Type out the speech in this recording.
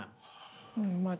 うんまあ